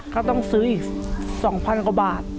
ก็ต้องซื้ออีก๒๐๐กว่าบาท